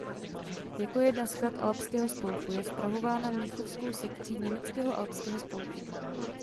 Jako jedna z chat Alpského spolku je spravována mnichovskou sekcí Německého alpského spolku.